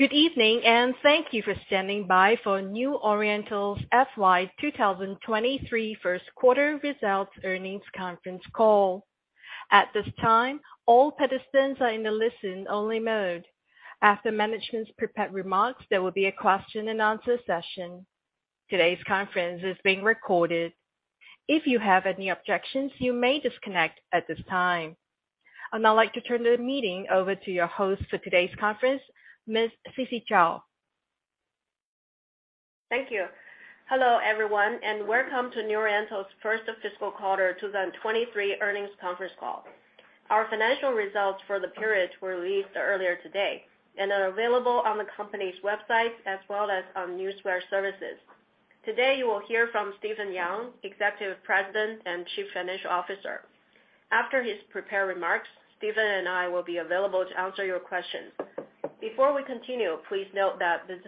Good evening and thank you for standing by for New Oriental's FY 2023 First Quarter Results Earnings Conference Call. At this time, all participants are in a listen-only mode. After management's prepared remarks, there will be a question and answer session. Today's conference is being recorded. If you have any objections, you may disconnect at this time. I'd now like to turn the meeting over to your host for today's conference, Ms. Sisi Zhao. Thank you. Hello, everyone, and welcome to New Oriental's First Fiscal Quarter 2023 Earnings Conference Call. Our financial results for the period were released earlier today and are available on the company's website as well as on newswire services. Today you will hear from Stephen Yang, Executive President and Chief Financial Officer. After his prepared remarks, Stephen and I will be available to answer your questions. Before we continue, please note that this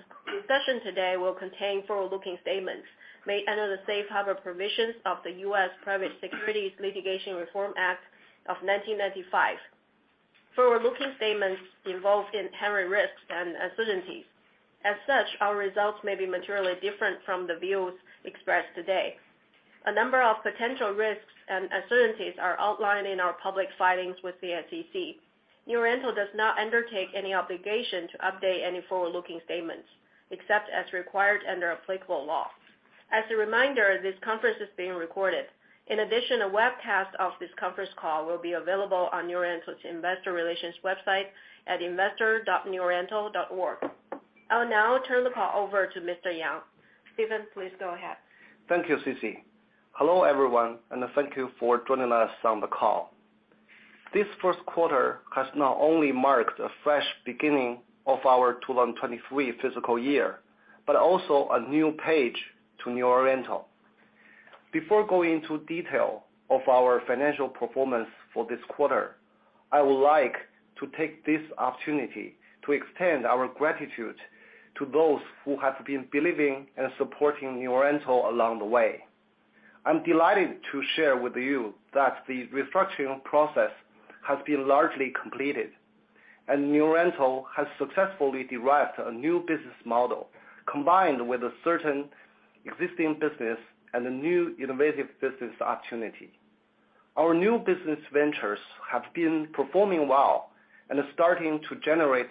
session today will contain forward-looking statements made under the safe harbor provisions of the U.S. Private Securities Litigation Reform Act of 1995. Forward-looking statements involve inherent risks and uncertainties. As such, our results may be materially different from the views expressed today. A number of potential risks and uncertainties are outlined in our public filings with the SEC. New Oriental does not undertake any obligation to update any forward-looking statements, except as required under applicable law. As a reminder, this conference is being recorded. In addition, a webcast of this conference call will be available on New Oriental's investor relations website at investor.neworiental.org. I'll now turn the call over to Mr. Yang. Stephen, please go ahead. Thank you, Sisi. Hello, everyone, and thank you for joining us on the call. This first quarter has not only marked a fresh beginning of our 2023 fiscal year, but also a new page to New Oriental. Before going into detail of our financial performance for this quarter, I would like to take this opportunity to extend our gratitude to those who have been believing and supporting New Oriental along the way. I'm delighted to share with you that the restructuring process has been largely completed, and New Oriental has successfully derived a new business model, combined with a certain existing business and a new innovative business opportunity. Our new business ventures have been performing well and are starting to generate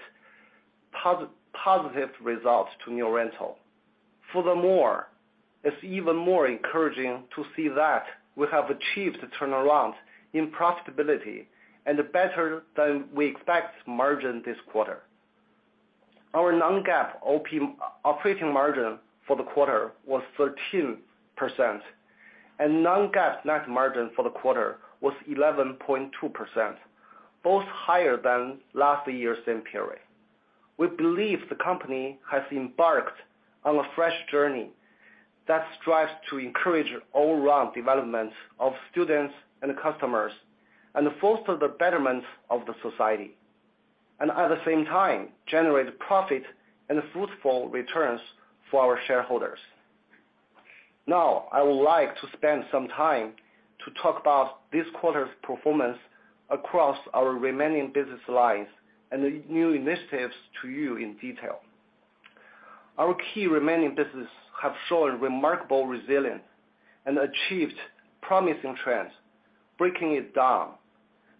positive results to New Oriental. Furthermore, it's even more encouraging to see that we have achieved a turnaround in profitability and better than expected margin this quarter. Our non-GAAP operating margin for the quarter was 13%, and non-GAAP net margin for the quarter was 11.2%, both higher than last year's same period. We believe the company has embarked on a fresh journey that strives to encourage all-around development of students and customers and foster the betterment of the society, and at the same time, generate profit and fruitful returns for our shareholders. Now, I would like to spend some time to talk about this quarter's performance across our remaining business lines and the new initiatives with you in detail. Our key remaining business have shown remarkable resilience and achieved promising trends. Breaking it down,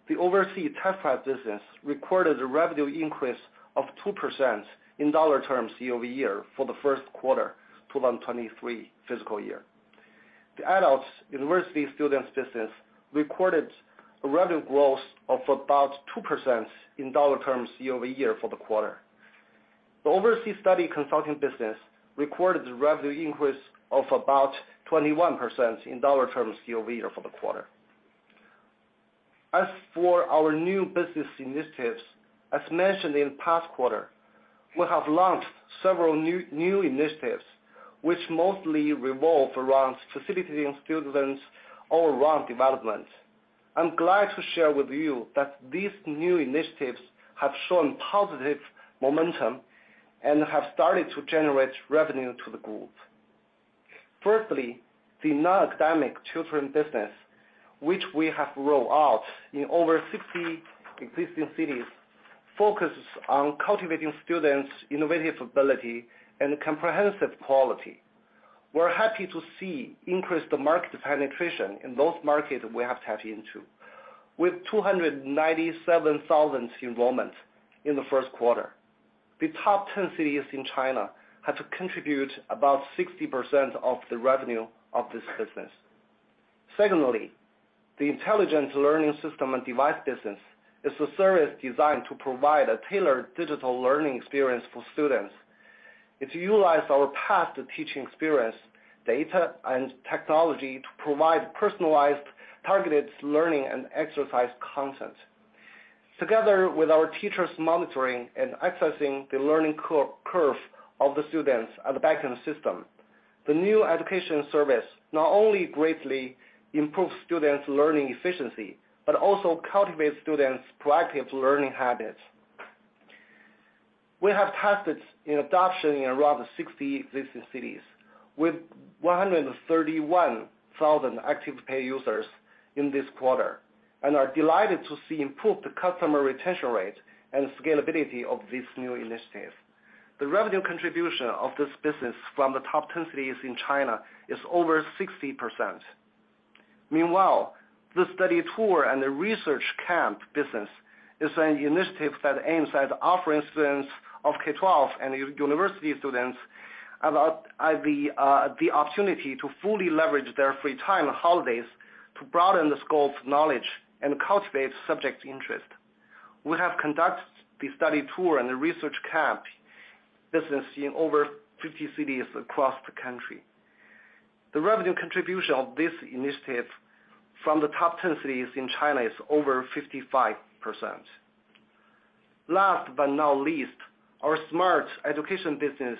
the overseas test prep business recorded a revenue increase of 2% in dollar terms year-over-year for the first quarter 2023 fiscal year. The adults university students business recorded a revenue growth of about 2% in dollar terms year-over-year for the quarter. The overseas study consulting business recorded a revenue increase of about 21% in dollar terms year-over-year for the quarter. As for our new business initiatives, as mentioned in last quarter, we have launched several new initiatives which mostly revolve around facilitating students' all-round development. I'm glad to share with you that these new initiatives have shown positive momentum and have started to generate revenue to the group. Firstly, the non-academic children business, which we have rolled out in over 60 existing cities, focuses on cultivating students' innovative ability and comprehensive quality. We're happy to see increased market penetration in those markets we have tapped into. With 297,000 enrollments in the first quarter, the top 10 cities in China have contributed about 60% of the revenue of this business. Secondly, the intelligent learning system and device business is a service designed to provide a tailored digital learning experience for students. It utilize our past teaching experience, data, and technology to provide personalized, targeted learning and exercise content. Together with our teachers' monitoring and assessing the learning curve of the students at the backend system, the new education service not only greatly improves students' learning efficiency, but also cultivates students' proactive learning habits. We have tested adoption in around 60 existing cities. With 131,000 active paid users in this quarter, we are delighted to see improved customer retention rate and scalability of these new initiatives. The revenue contribution of this business from the top 10 cities in China is over 60%. Meanwhile, the study tour and research camp business is an initiative that aims at offering students of K-12 and university students about the opportunity to fully leverage their free time and holidays to broaden the scope of knowledge and cultivate subject interest. We have conducted the study tour and research camp business in over 50 cities across the country. The revenue contribution of this initiative from the top 10 cities in China is over 55%. Last but not least, our smart education business,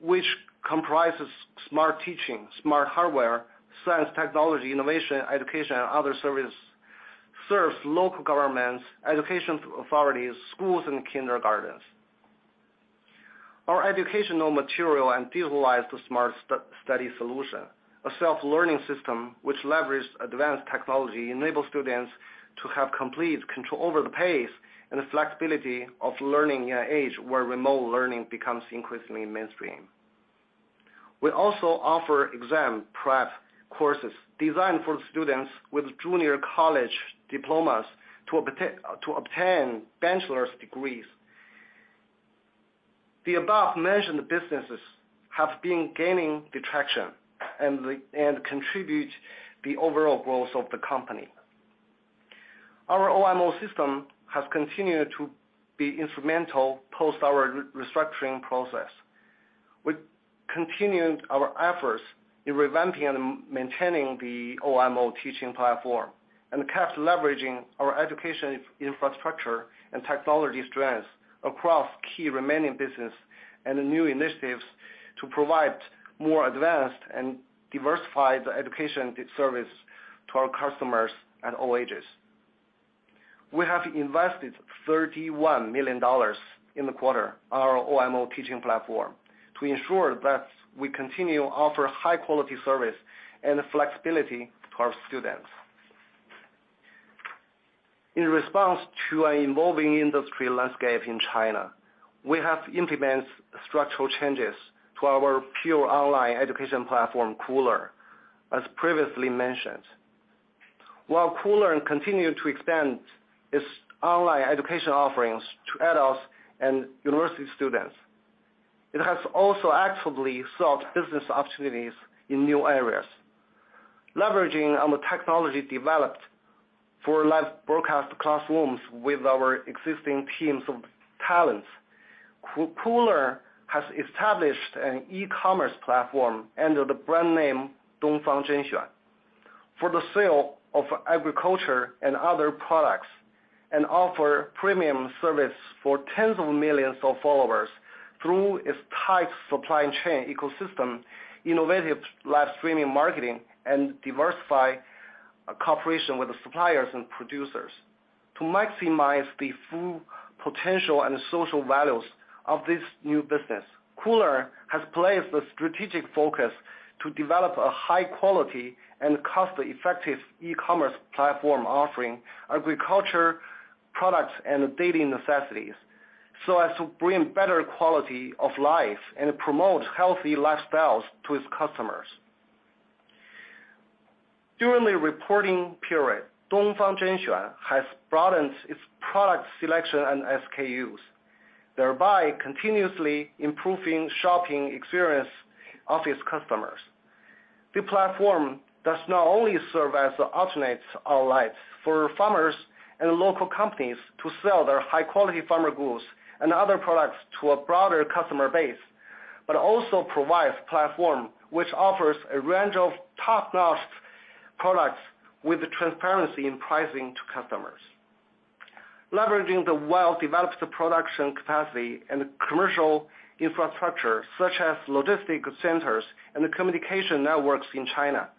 which comprises smart teaching, smart hardware, science, technology, innovation, education, and other services, serves local governments, education authorities, schools and kindergartens. Our educational materials utilize the Smart Study Solution, a self-learning system which leverages advanced technology, enable students to have complete control over the pace and flexibility of learning in an age where remote learning becomes increasingly mainstream. We also offer exam prep courses designed for students with junior college diplomas to obtain bachelor's degrees. The above-mentioned businesses have been gaining traction and contribute to the overall growth of the company. Our OMO system has continued to be instrumental post our restructuring process. We continued our efforts in revamping and maintaining the OMO teaching platform, and kept leveraging our education infrastructure and technology strengths across key remaining business and the new initiatives to provide more advanced and diversified education service to our customers at all ages. We have invested $31 million in the quarter, our OMO teaching platform, to ensure that we continue offer high quality service and flexibility to our students. In response to an evolving industry landscape in China, we have implemented structural changes to our pure online education platform, Koolearn. As previously mentioned. While Koolearn continue to expand its online education offerings to adults and university students, it has also actively sought business opportunities in new areas. Leveraging on the technology developed for live-broadcast classrooms with our existing teams of talents. Koolearn has established an e-commerce platform under the brand name for the sale of agricultural and other products, and offers premium service for tens of millions of followers through its tight supply chain ecosystem, innovative live-streaming marketing, and diversified cooperation with the suppliers and producers. To maximize the full potential and social values of this new business. Koolearn, has placed a strategic focus to develop a high-quality and cost-effective e-commerce platform offering agricultural products and daily necessities so as to bring better quality of life and promote healthy lifestyles to its customers. During the period, Dongfang Zhenxuan has broadened its product selection and SKUs, thereby continuously improving shopping experience of its customers. The platform does not only serve as an alternative online for farmers and local companies to sell their high-quality farm goods and other products to a broader customer base, but also provides platform which offers a range of top-notch products with transparency in pricing to customers. Leveraging the well-developed production capacity and commercial infrastructure, such as logistics centers and the communication networks in China,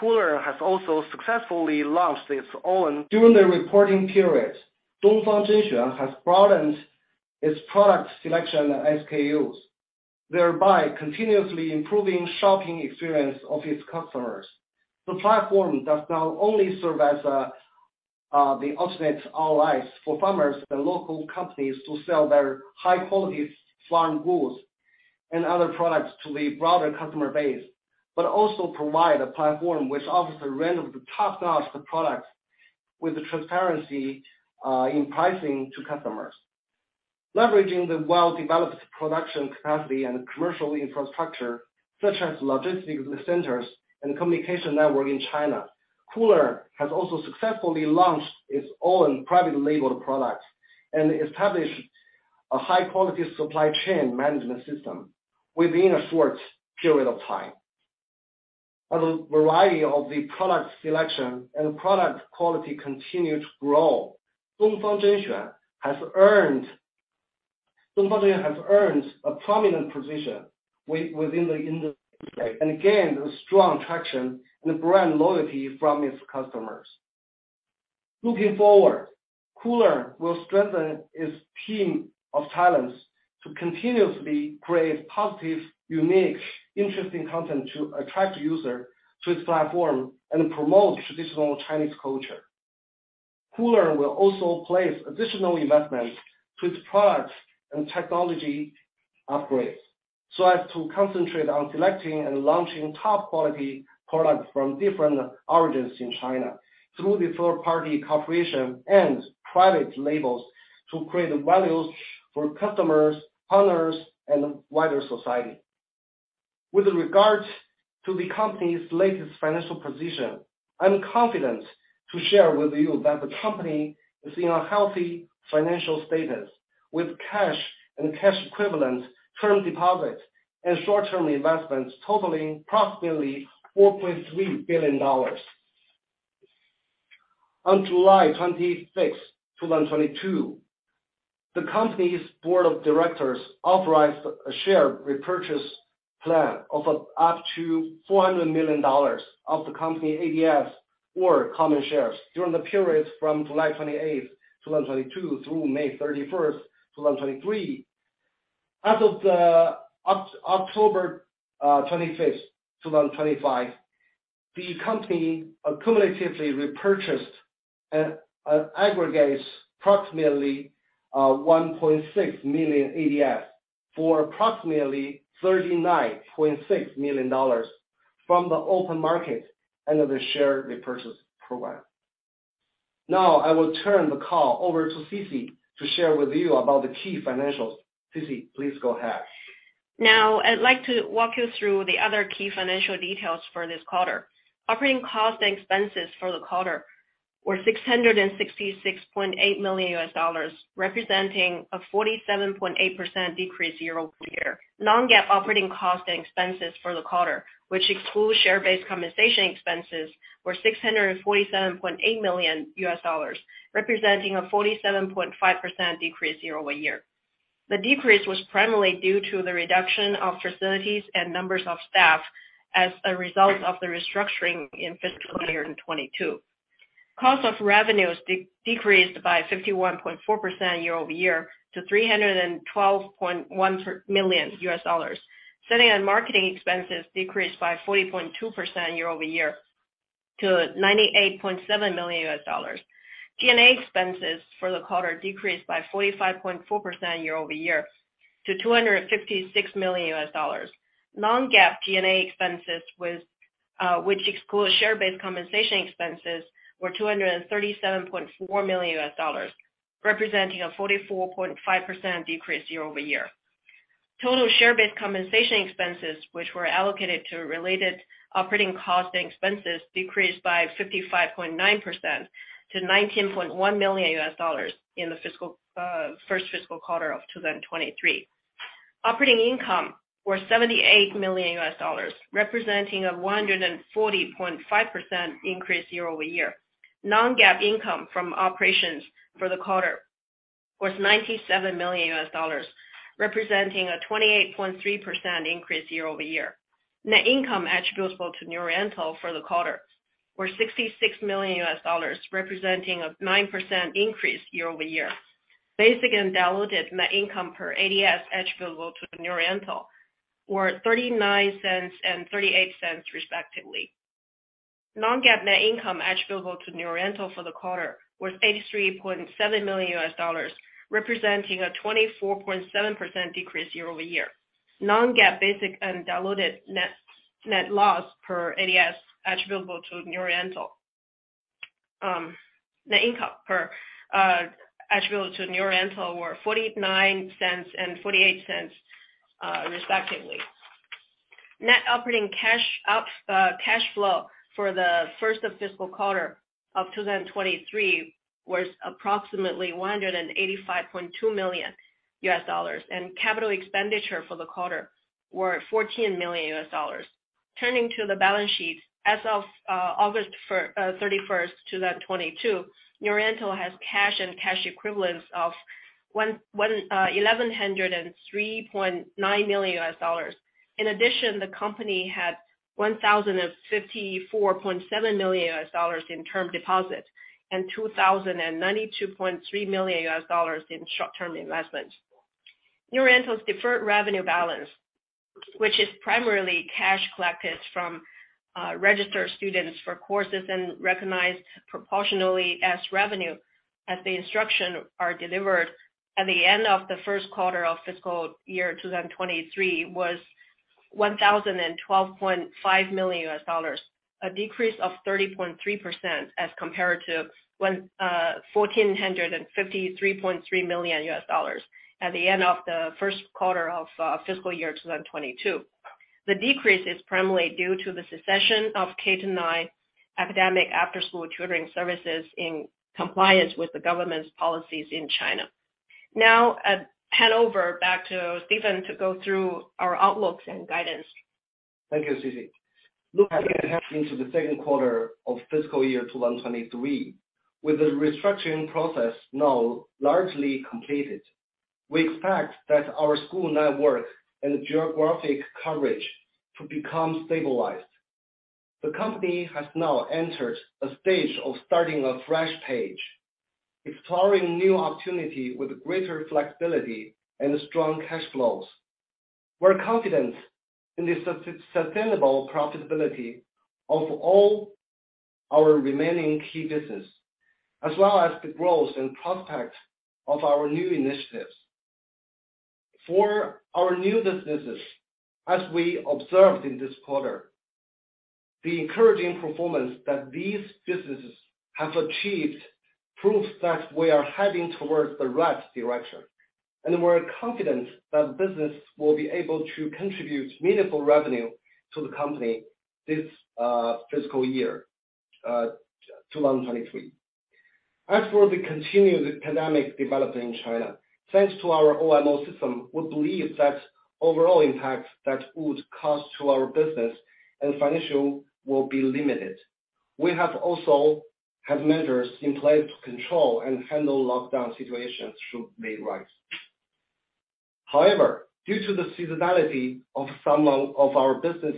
Koolearn has also successfully. During the reporting periods, has broadened its product selection and SKUs, thereby continuously improving shopping experience of its customers. The platform does not only serve as the ultimate allies for farmers and local companies to sell their high-quality farm goods and other products to the broader customer base, but also provide a platform which offers a range of top-notch products with the transparency in pricing to customers. Leveraging the well-developed production capacity and commercial infrastructure, such as logistics centers and communication network in China, Koolearn has also successfully launched its own private label products and established a high-quality supply chain management system within a short period of time. As a variety of the product selection and product quality continue to grow, has earned a prominent position within the industry and gained a strong traction and brand loyalty from its customers. Looking forward, Koolearn will strengthen its team of talents to continuously create positive, unique, interesting content to attract users to its platform and promote traditional Chinese culture. Koolearn will also place additional investments to its products and technology upgrades so as to concentrate on selecting and launching top-quality products from different origins in China through the third-party cooperation and private labels to create values for customers, partners, and wider society. With regards to the company's latest financial position, I'm confident to share with you that the company is in a healthy financial status with cash and cash equivalents, term deposits, and short-term investments totaling approximately $4.3 billion. On July 26th, 2022, the company's board of directors authorized a share repurchase plan of up to $400 million of the company ADS or common shares during the period from July 28th, 2022, through May 31st, 2023. As of October 25th, 2025, the company cumulatively repurchased approximately 1.6 million ADS for approximately $39.6 million from the open market under the share repurchase program. Now I will turn the call over to Sisi to share with you about the key financials. Sisi, please go ahead. Now, I'd like to walk you through the other key financial details for this quarter. Operating costs and expenses for the quarter were $666.8 million, representing a 47.8% decrease year-over-year. Non-GAAP operating costs and expenses for the quarter, which excludes share-based compensation expenses, were $647.8 million, representing a 47.5% decrease year-over-year. The decrease was primarily due to the reduction of facilities and numbers of staff as a result of the restructuring in fiscal year 2022. Cost of revenues decreased by 51.4% year-over-year to $312.1 million. Selling and marketing expenses decreased by 40.2% year-over-year to $98.7 million. G&A expenses for the quarter decreased by 45.4% year-over-year to $256 million. Non-GAAP G&A expenses, which excludes share-based compensation expenses, were $237.4 million, representing a 44.5% decrease year-over-year. Total share-based compensation expenses, which were allocated to related operating costs and expenses, decreased by 55.9% to $19.1 million in the first fiscal quarter of 2023. Operating income was $78 million, representing a 140.5% increase year-over-year. Non-GAAP income from operations for the quarter was $97 million, representing a 28.3% increase year-over-year. Net income attributable to New Oriental for the quarter was $66 million, representing a 9% increase year-over-year. Basic and diluted net income per ADS attributable to New Oriental were $0.39 and $0.38, respectively. Non-GAAP net income attributable to New Oriental for the quarter was $83.7 million, representing a 24.7% decrease year-over-year. Non-GAAP basic and diluted net income per ADS attributable to New Oriental were $0.49 and $0.48, respectively. Net operating cash flow for the first fiscal quarter of 2023 was approximately $185.2 million, and capital expenditure for the quarter were $14 million. Turning to the balance sheet. As of August 31st, 2022, New Oriental has cash and cash equivalents of $1,103.9 million. In addition, the company had $1,054.7 million in term deposits and $2,092.3 million in short-term investments. New Oriental's deferred revenue balance, which is primarily cash collected from registered students for courses and recognized proportionally as revenue as the instructions are delivered at the end of the first quarter of fiscal year 2023, was $1,012.5 million, a decrease of 30.3% as compared to $1,453.3 million at the end of the first quarter of fiscal year 2022. The decrease is primarily due to the cessation of K-9 academic after-school tutoring services in compliance with the government's policies in China. Now, I hand over back to Stephen to go through our outlooks and guidance. Thank you, Sisi. Looking ahead into the second quarter of fiscal year 2023, with the restructuring process now largely completed, we expect that our school network and geographic coverage to become stabilized. The company has now entered a stage of starting a fresh page, exploring new opportunity with greater flexibility and strong cash flows. We're confident in the sustainable profitability of all our remaining key business, as well as the growth and prospect of our new initiatives. For our new businesses, as we observed in this quarter, the encouraging performance that these businesses have achieved proves that we are heading towards the right direction. We're confident that business will be able to contribute meaningful revenue to the company this fiscal year 2023. As for the continued pandemic development in China, thanks to our OMO system, we believe that overall impact that would cause to our business and financial will be limited. We also have measures in place to control and handle lockdown situations should they rise. However, due to the seasonality of some of our business,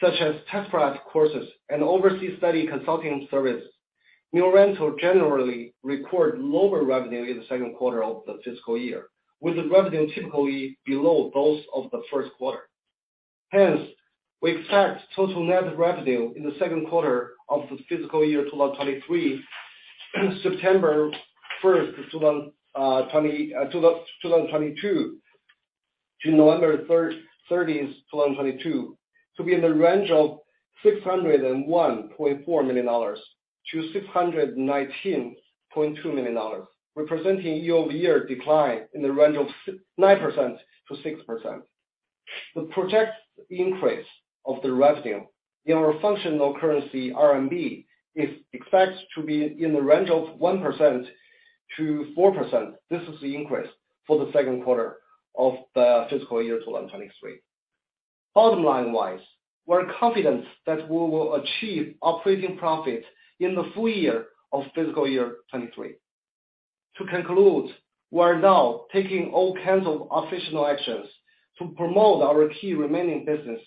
such as test prep courses and overseas study consulting services, New Oriental generally record lower revenue in the second quarter of the fiscal year, with the revenue typically below those of the first quarter. Hence, we expect total net revenue in the second quarter of the fiscal year 2023, September 1st, 2022 to November 30th, 2022, to be in the range of $601.4 million-$619.2 million, representing year-over-year decline in the range of 9%-6%. The projected increase of the revenue in our functional currency, RMB, is expected to be in the range of 1%-4%. This is the increase for the second quarter of the fiscal year 2023. Bottom line wise, we're confident that we will achieve operating profit in the full year of fiscal year 2023. To conclude, we are now taking all kinds of operational actions to promote our key remaining business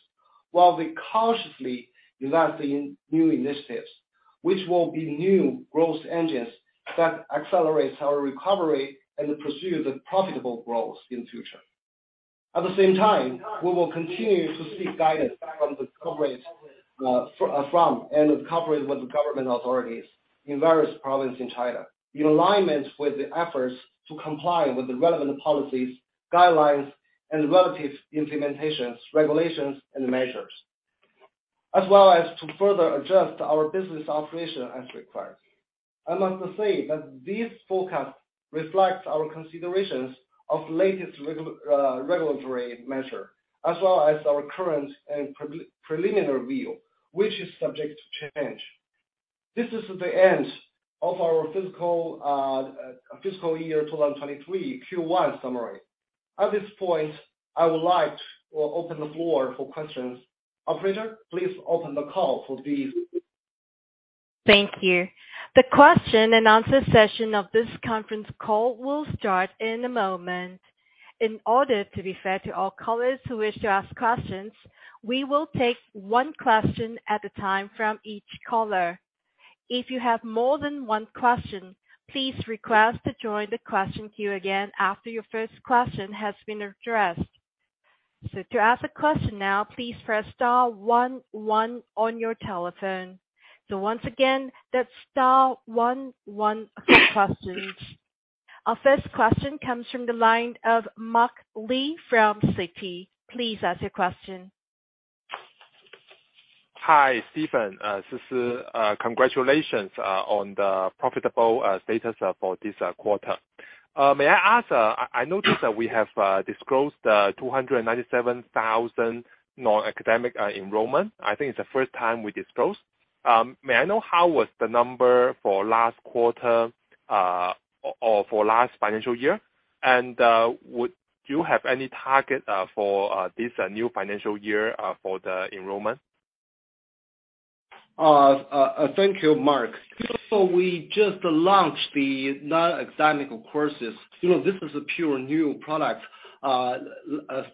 while we cautiously invest in new initiatives, which will be new growth engines that accelerates our recovery and pursue the profitable growth in future. At the same time, we will continue to seek guidance from and cooperate with the government authorities in various province in China, in alignment with the efforts to comply with the relevant policies, guidelines, and relevant implementations, regulations, and measures, as well as to further adjust our business operation as required. I must say that this forecast reflects our considerations of latest regulatory measure, as well as our current and preliminary view, which is subject to change. This is the end of our fiscal year 2023 Q1 summary. At this point, I would like to open the floor for questions. Operator, please open the call for the. Thank you. The question and answer session of this conference call will start in a moment. In order to be fair to all callers who wish to ask questions, we will take one question at a time from each caller. If you have more than one question, please request to join the question queue again after your first question has been addressed. To ask a question now, please press star one one on your telephone. Once again, that's star one one questions. Our first question comes from the line of Mark Lee from Citi. Please ask your question. Hi, Stephen. This is congratulations on the profitable status for this quarter. May I ask, I noticed that we have disclosed 297,000 non-academic enrollment. I think it's the first time we disclosed. May I know how was the number for last quarter or for last financial year? Would you have any target for this new financial year for the enrollment? Thank you, Mark. We just launched the non-academic courses. You know, this is a pure new product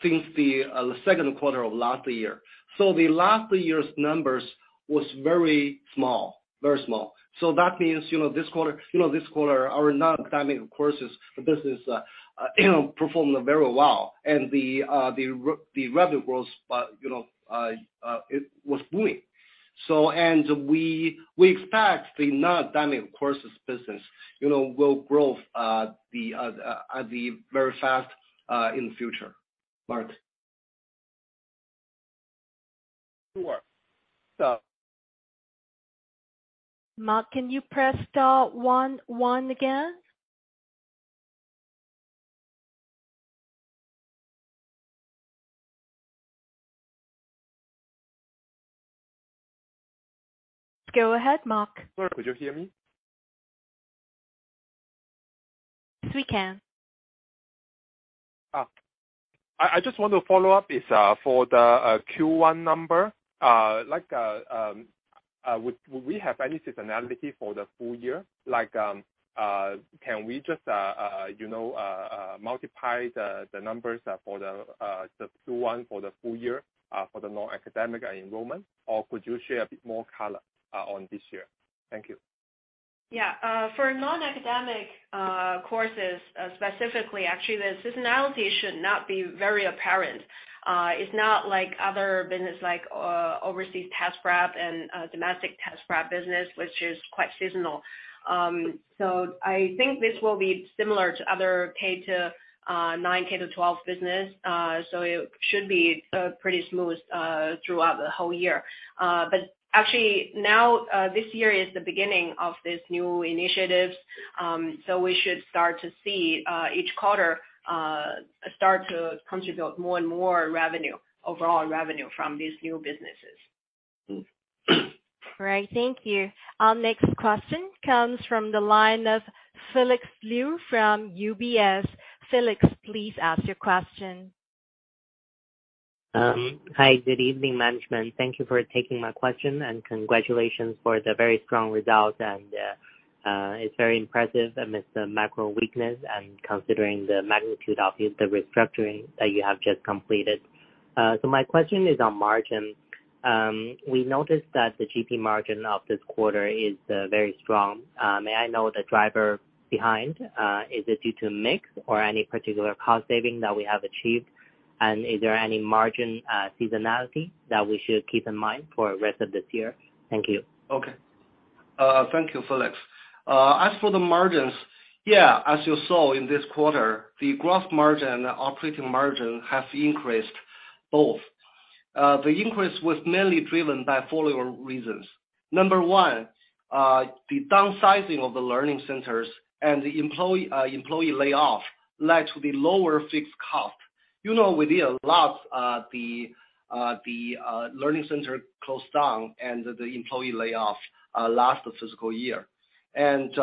since the second quarter of last year. The last year's numbers was very small. That means, you know, this quarter, our non-academic courses business performed very well. The revenue growth was, you know, it was booming. We expect the non-academic courses business, you know, will grow very fast in future, Mark. Sure. Mark, can you press star one one again? Go ahead, Mark. Could you hear me? Yes, we can. Ah. I just want to follow up on the Q1 number. Like, would we have any seasonality for the full year? Like, can we just, you know, multiply the numbers for the Q1 for the full year for the non-academic enrollment, or could you share a bit more color on this year? Thank you. Yeah. For non-academic courses, specifically, actually, the seasonality should not be very apparent. It's not like other business like overseas test prep and domestic test prep business, which is quite seasonal. I think this will be similar to other K-9, K-12 business. It should be pretty smooth throughout the whole year. Actually now, this year is the beginning of these new initiatives, so we should start to see each quarter start to contribute more and more revenue, overall revenue from these new businesses. All right. Thank you. Our next question comes from the line of Felix Liu from UBS. Felix, please ask your question. Hi. Good evening, management. Thank you for taking my question, and congratulations for the very strong result, and it's very impressive amidst the macro weakness and considering the magnitude of the restructuring that you have just completed. So my question is on margin. We noticed that the GP margin of this quarter is very strong. May I know the driver behind? Is it due to mix or any particular cost saving that we have achieved? Is there any margin seasonality that we should keep in mind for rest of this year? Thank you. Okay. Thank you, Felix. As for the margins, yeah, as you saw in this quarter, the gross margin, operating margin has increased both. The increase was mainly driven by following reasons. Number one, the downsizing of the learning centers and the employee layoff led to the lower fixed cost. You know, we did a lot, the learning center closed down and the employee layoff last fiscal year. It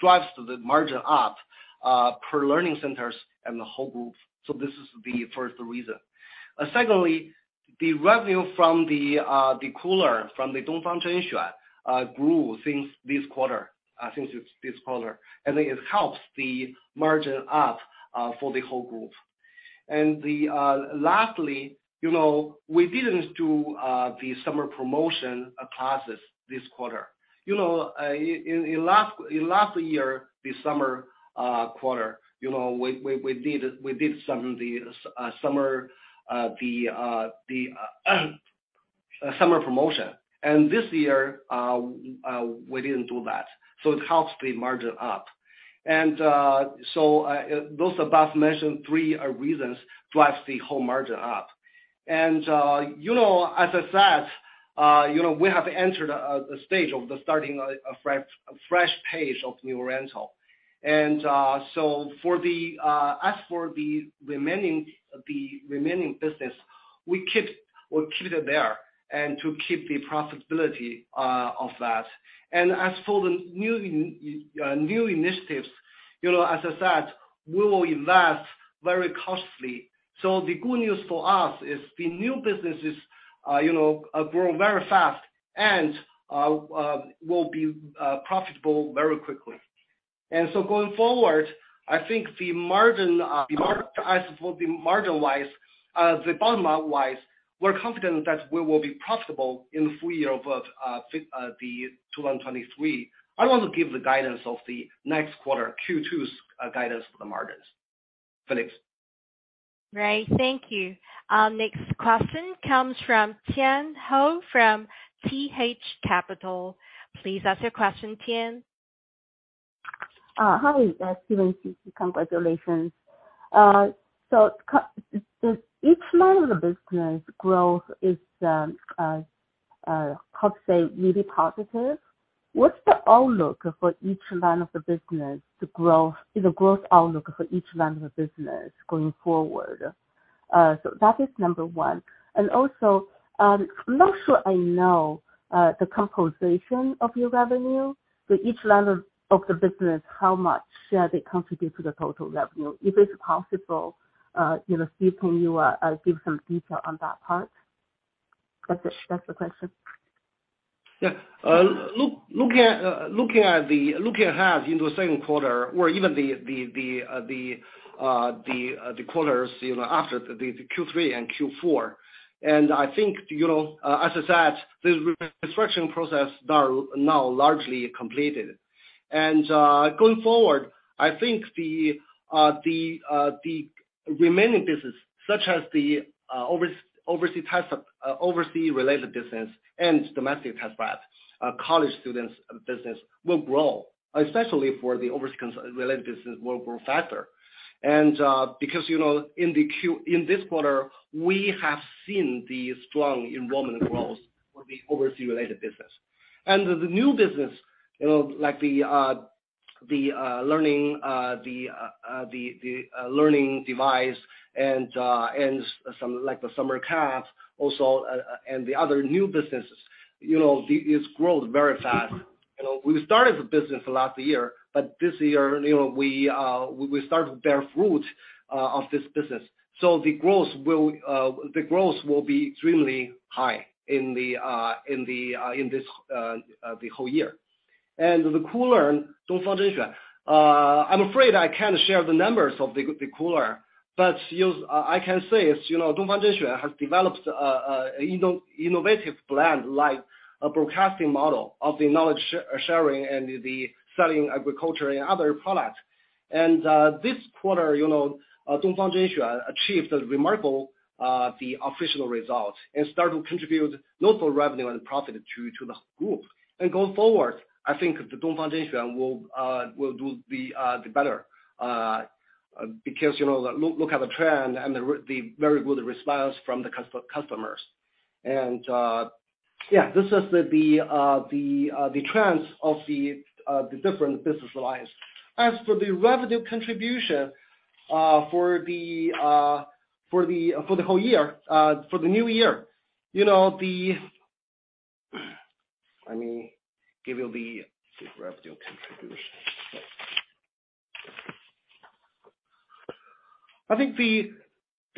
drives the margin up per learning centers and the whole group. This is the first reason. Secondly, the revenue from the Koolearn, from the Dongfang Zhenxuan grew since this quarter, and it helps the margin up for the whole group. Lastly, you know, we didn't do the summer promotion classes this quarter. You know, in last year, the summer quarter, you know, we did some of the summer promotion. This year, we didn't do that, so it helps the margin up. Those above-mentioned three reasons drives the whole margin up. You know, as I said, you know, we have entered a stage of starting a fresh page of New Oriental. As for the remaining business, we'll keep it there and to keep the profitability of that. As for the new initiatives, you know, as I said, we will invest very heavily. The good news for us is the new businesses, you know, grow very fast and will be profitable very quickly. Going forward, I think as for the margin wise, the bottom line wise, we're confident that we will be profitable in full year of 2023. I want to give the guidance of the next quarter, Q2 guidance for the margins. Felix. Great. Thank you. Our next question comes from Tian Hou from TH Capital. Please ask your question, Tian. Hi, Stephen Yang. Congratulations. Each line of the business growth is, how to say, really positive. What's the outlook for each line of the business to grow? The growth outlook for each line of the business going forward? That is number one. I'm not sure I know the composition of your revenue. Each line of the business, how much share they contribute to the total revenue. If it's possible, you know, Stephen, you give some detail on that part. That's it. That's the question. Yeah. Looking ahead into the second quarter or even the quarters, you know, after the Q3 and Q4, I think, you know, as I said, the restructuring process are now largely completed. Going forward, I think the remaining business, such as the overseas test prep, overseas related business and domestic test prep, college students business will grow, especially for the overseas related business will grow faster. Because, you know, in this quarter, we have seen the strong enrollment growth for the overseas related business. The new business, you know, like the learning device and some, like, the summer camps also, and the other new businesses. You know, it's grown very fast. You know, we started the business last year, but this year, you know, we start to bear fruit of this business. So the growth will be extremely high in the whole year. The Koolearn and Dongfang Zhenxuan. I'm afraid I can't share the numbers of the Koolearn, but I can say is, you know, Dongfang Zhenxuan has developed innovative plan like a broadcasting model of the knowledge sharing and the selling agricultural and other products. This quarter, you know, Dongfang Zhenxuan achieved a remarkable official result and start to contribute notable revenue and profit to the group. Going forward, I think Dongfang Zhenxuan will do better because, you know, look at the trend and the very good response from the customers. This is the trends of the different business lines. As for the revenue contribution for the whole year, for the new year, you know. Let me give you the revenue contribution. I think the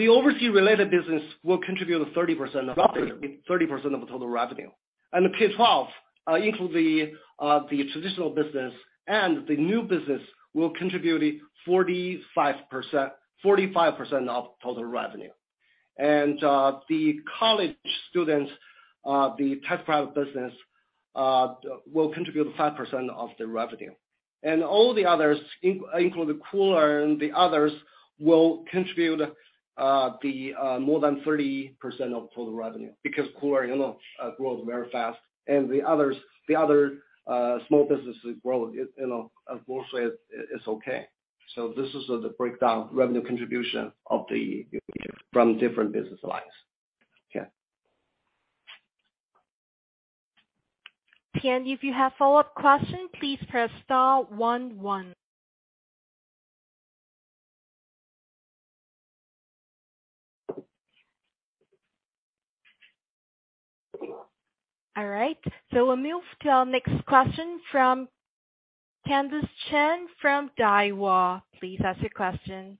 overseas related business will contribute 30% of- Okay. 30% of the total revenue. The K-12 include the traditional business and the new business will contribute 45% of total revenue. The college students test prep business will contribute 5% of the revenue. All the others, include the Koolearn and the others, will contribute more than 30% of total revenue because Koolearn, you know, grows very fast. The other small businesses grow, you know, mostly it's okay. This is the breakdown revenue contribution from different business lines. Tian, if you have follow-up question, please press star one one. All right. We'll move to our next question from Candice Chen from Daiwa. Please ask your question.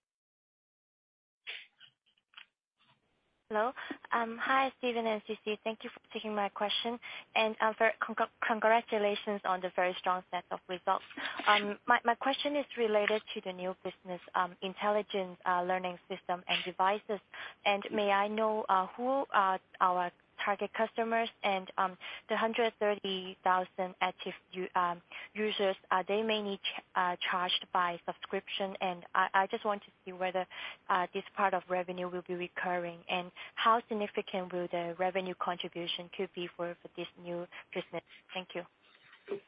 Hello. Hi, Stephen and Sisi. Thank you for taking my question. Congratulations on the very strong set of results. My question is related to the new business, intelligent learning system and devices. May I know who are our target customers and the 130,000 active users they may need charged by subscription. I just want to see whether this part of revenue will be recurring and how significant will the revenue contribution could be for this new business. Thank you.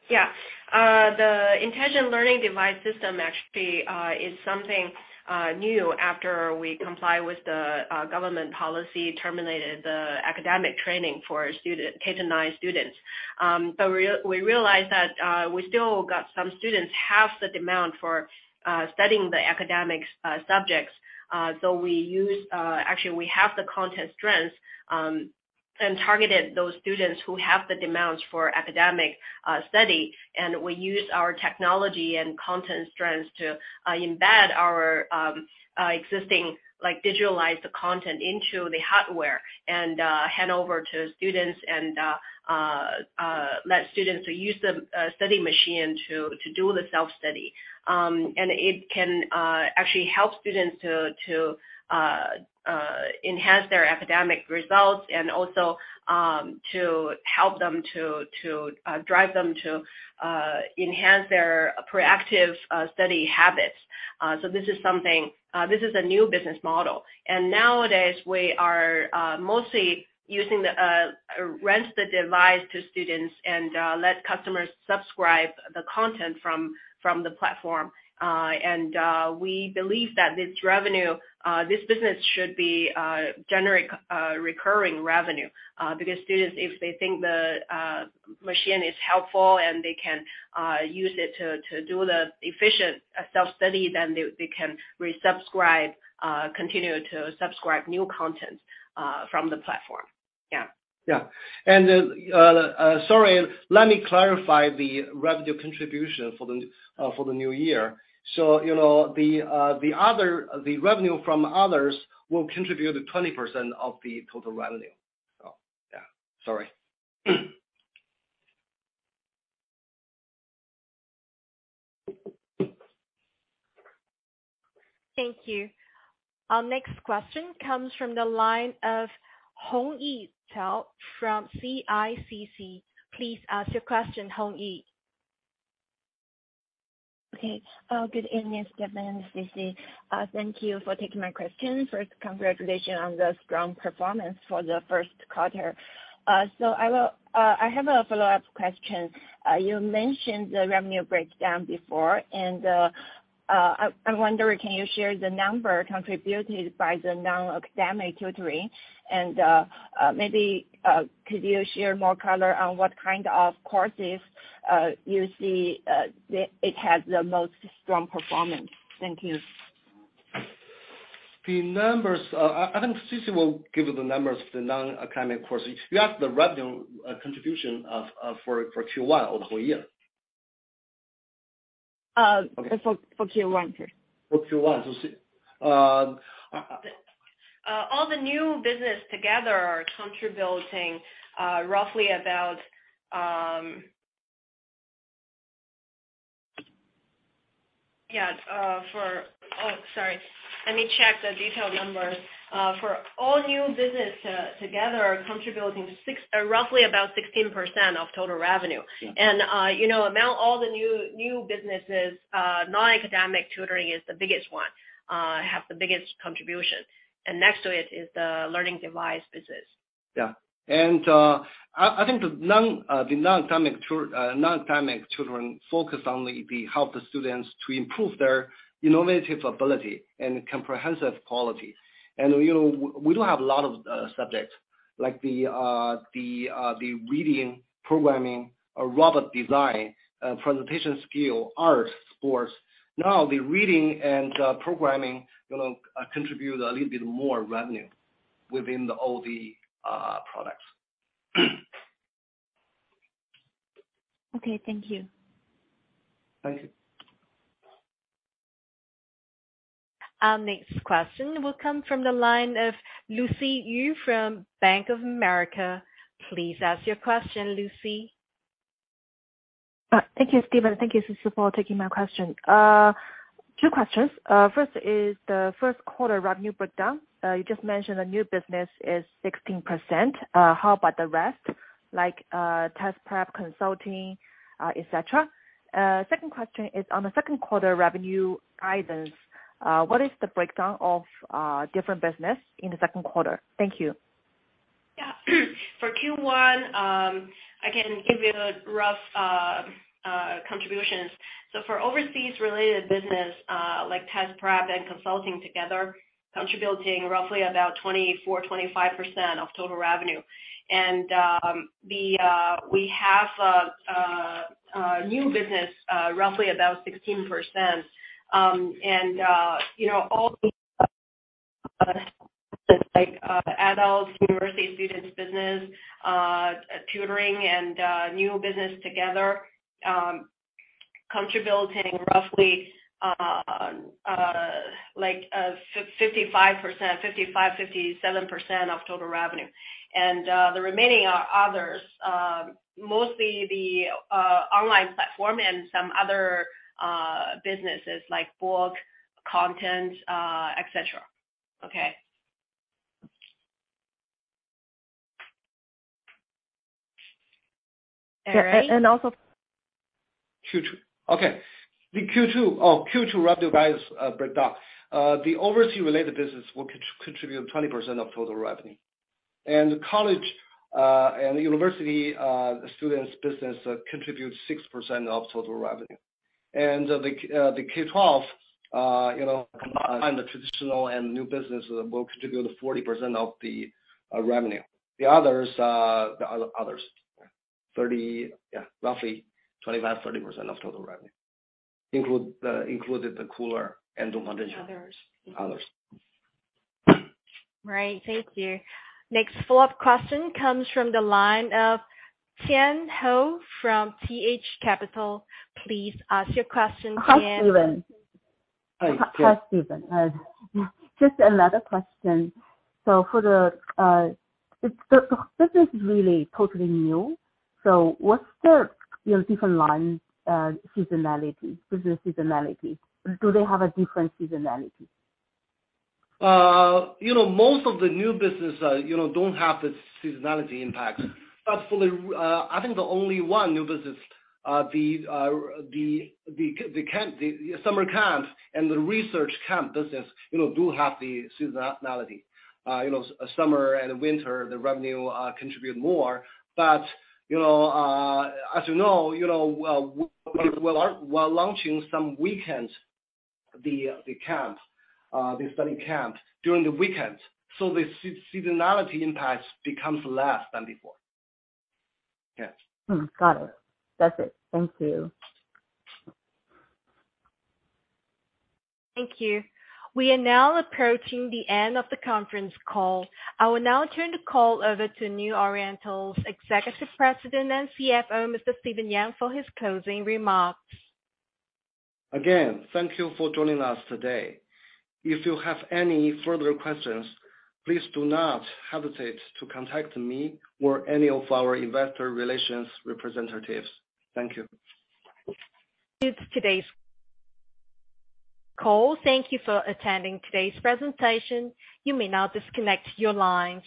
Yeah. The intelligent learning device system actually is something new after we comply with the government policy terminated the academic training for student, K-9 students. So we realized that we still got some students have the demand for studying the academic subjects. So we use actually we have the content strengths and targeted those students who have the demands for academic study. We use our technology and content strengths to embed our existing, like, digitalize the content into the hardware and hand over to students and let students use the study machine to do the self-study. It can actually help students to enhance their academic results and also to help them to drive them to enhance their proactive study habits. This is something. This is a new business model. Nowadays we are mostly renting the device to students and let customers subscribe to the content from the platform. We believe that this business should generate recurring revenue because students, if they think the machine is helpful and they can use it to do efficient self-study, then they can resubscribe, continue to subscribe new content from the platform. Yeah. Sorry, let me clarify the revenue contribution for the new year. You know, the other, the revenue from others will contribute 20% of the total revenue. Yeah, sorry. Thank you. Our next question comes from the line of Hongyi Zhao from CICC. Please ask your question, Hongyi. Okay. Good evening, Stephen and Sisi. Thank you for taking my question. First, congratulations on the strong performance for the first quarter. I have a follow-up question. You mentioned the revenue breakdown before, and I wonder, can you share the number contributed by the non-academic tutoring? And maybe could you share more color on what kind of courses you see it has the most strong performance? Thank you. The numbers, I think Susie will give you the numbers, the non-academic courses. You asked the revenue contribution for Q1 or the whole year. Uh- Okay. for Q1, please. For Q1, Susie, Sorry. Let me check the detailed numbers. For all new business together are contributing roughly about 16% of total revenue. Yeah. You know, among all the new businesses, non-academic tutoring is the biggest one, have the biggest contribution. Next to it is the learning device business. I think the non-academic children focus on to help the students to improve their innovative ability and comprehensive quality. You know, we do have a lot of subjects, like reading, programming or robot design, presentation skill, art, sports. Now, the reading and programming, you know, contribute a little bit more revenue within all the products. Okay, thank you. Thank you. Our next question will come from the line of Lucy Yu from Bank of America. Please ask your question, Lucy. Thank you, Stephen. Thank you, Susie, for taking my question. Two questions. First is the first quarter revenue breakdown. You just mentioned the new business is 16%. How about the rest, like, test prep, consulting, et cetera? Second question is on the second quarter revenue guidance, what is the breakdown of different business in the second quarter? Thank you. Yeah. For Q1, I can give you a rough contributions. For overseas related business, like overseas test prep and overseas study consulting together, contributing roughly about 24%-25% of total revenue. We have a new business roughly about 16%. You know, all like adults and university students business, tutoring and new business together contributing roughly like 55%-57% of total revenue. The remaining are others, mostly the Koolearn and some other businesses like book, content, et cetera. Okay. A-a-and also- Q2. Okay. The Q2 revenue guidance breakdown. The overseas related business will contribute 20% of total revenue. The college and university students business contributes 6% of total revenue. The K-12, you know, combine the traditional and new business will contribute 40% of the revenue. The others, roughly 25-30% of total revenue, including the Koolearn and the modern- Others. Others. Right. Thank you. Next follow-up question comes from the line of Tian Hou from TH Capital. Please ask your question, Tian. Hi, Stephen. Hi, Tian. Hi, Stephen. Just another question. For the business is really totally new, what's the, you know, different lines, seasonality, business seasonality? Do they have a different seasonality? You know, most of the new business, you know, don't have this seasonality impact. Absolutely, I think the only one new business, the study tour and research camp business, you know, do have the seasonality. You know, summer and winter, the revenue contribute more. You know, as you know, you know, we're launching some weekend study camps during the weekends. So the seasonality impact becomes less than before. Yeah. Got it. That's it. Thank you. Thank you. We are now approaching the end of the conference call. I will now turn the call over to New Oriental's Executive President and CFO, Mr. Stephen Yang, for his closing remarks. Again, thank you for joining us today. If you have any further questions, please do not hesitate to contact me or any of our investor relations representatives. Thank you. Today's call. Thank you for attending today's presentation. You may now disconnect your lines.